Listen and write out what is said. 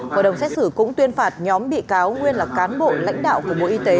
hội đồng xét xử cũng tuyên phạt nhóm bị cáo nguyên là cán bộ lãnh đạo của bộ y tế